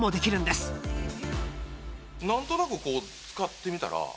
何となく使ってみたら。